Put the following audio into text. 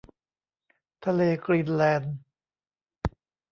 ทะเลกรีนแลนด์